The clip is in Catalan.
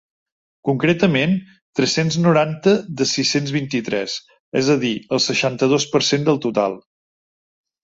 Concretament, tres-cents noranta de sis-cents vint-i-tres, és a dir, el seixanta-dos per cent del total.